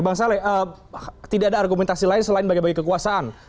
bang saleh tidak ada argumentasi lain selain bagi bagi kekuasaan